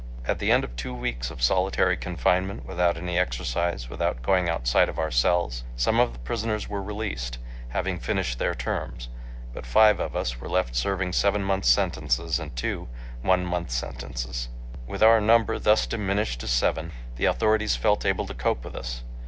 At the end of two weeks of solitary confinement, without any exercise, without going outside of our cells, some of the prisoners were released, having finished their terms, but five of us were left serving seven months' sentences, and two, one month sentences. With our number thus diminished to seven, the authorities felt able to cope with us.